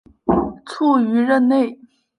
卒于任内。